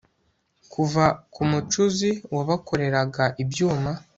Kuva kumucuzi wabakoreraga ibyuma